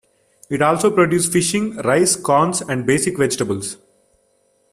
It also produce Fishing, Rice, Corns and basic vegetables.